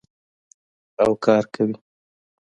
او کار کوي.